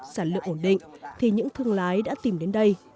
sản lượng ổn định thì những thương lái đã tìm đến đây